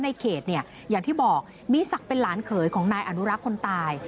คุณผู้ชมในเขตอย่างที่บอกมีศักดิ์เป็นล้านเคยของนายอนุรักษ์คนตาย